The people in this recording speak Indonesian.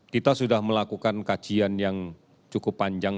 kita sudah melakukan kajian yang cukup panjang